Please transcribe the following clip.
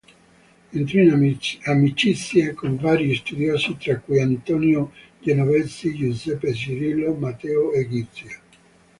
Entrò in amicizia con vari studiosi tra cui Antonio Genovesi, Giuseppe Cirillo, Matteo Egizio.